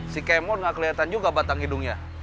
si kemon nggak kelihatan juga batang hidungnya